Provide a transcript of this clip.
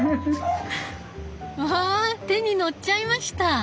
わ手にのっちゃいました！